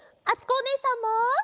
あつこおねえさんも。